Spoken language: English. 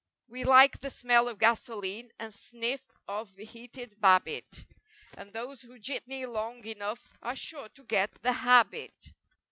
We like the smell of gasoline and sniff of heated babbitt. And those who jitney long enough are sure to get the habit.